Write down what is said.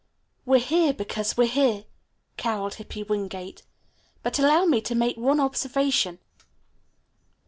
"We're here because we're here," caroled Hippy Wingate. "But allow me to make one observation."